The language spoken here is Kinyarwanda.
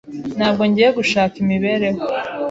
nabwo ngiye gushaka imibereho